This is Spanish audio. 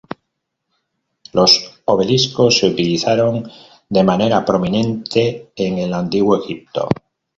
Los obeliscos se utilizaron de manera prominente en el Antiguo Egipto.